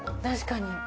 確かに。